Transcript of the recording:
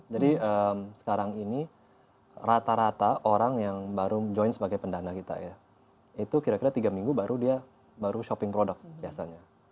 jadi sekarang ini rata rata orang yang baru join sebagai pendana kita ya itu kira kira tiga minggu baru dia baru shopping product biasanya